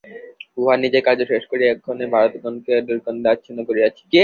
উহা নিজের কার্য শেষ করিয়া এক্ষণে ভারতগগনকে দুর্গন্ধে আচ্ছন্ন করিয়াছে।